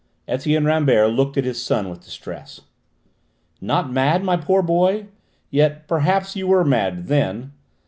Etienne Rambert looked at his son with distress. "Not mad, my poor boy? Yet perhaps you were mad then?"